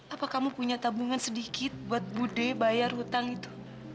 apa kamu punya tabungan sedikit buat bude bayar hutang itu